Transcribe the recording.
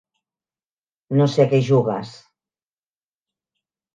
No sé a què jugues.